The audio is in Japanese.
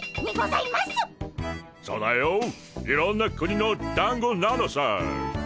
いろんな国のだんごなのさ。